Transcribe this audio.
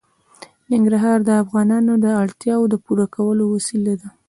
ننګرهار د افغانانو د اړتیاوو د پوره کولو وسیله ده.